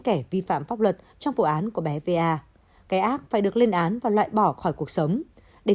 kẻ vi phạm pháp luật trong vụ án của bé va cái ác phải được lên án và loại bỏ khỏi cuộc sống để